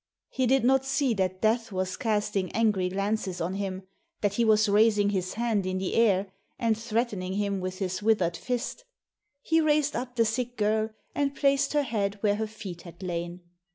He did not see that Death was casting angry glances on him, that he was raising his hand in the air, and threatening him with his withered fist. He raised up the sick girl, and placed her head where her feet had lain.